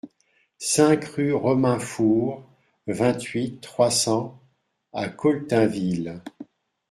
cinq rue Romain Foure, vingt-huit, trois cents à Coltainville